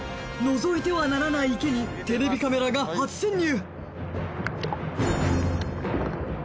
覗いてはならない池にテレビカメラが初潜入